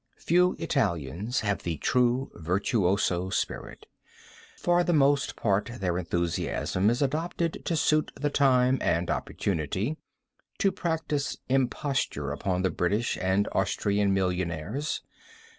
Few Italians have the true virtuoso spirit. For the most part their enthusiasm is adopted to suit the time and opportunity—to practise imposture upon the British and Austrian millionaires.